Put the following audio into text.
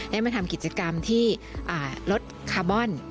ได้มาทำกิจกรรมที่รถคาร์บอน